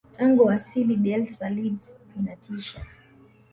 tangu awasili bielsa leeds inatisha